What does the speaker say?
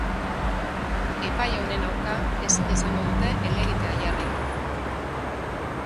Epai honen aurka ezin izango dute helegitea jarri.